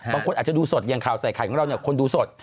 บางคนอาจจะดูสดอย่างข่าวใส่ไข่ของเราเนี่ยคนดูสด